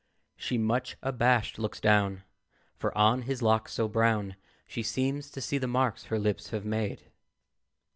She, much abashed, looks down, For on his locks so brown She seems to see the marks her lips have made.